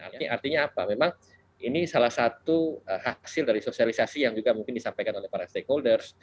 ini artinya apa memang ini salah satu hasil dari sosialisasi yang juga mungkin disampaikan oleh para stakeholders